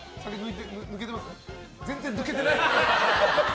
全然抜けてない？